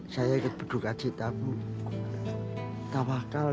saya ikut berdukacita tak wakal